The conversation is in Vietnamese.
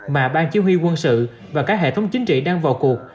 mà bang chỉ huy quân sự và các hệ thống chính trị đang vào cuộc